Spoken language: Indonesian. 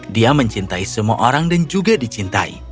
dia mencintai semua orang dan juga dicintai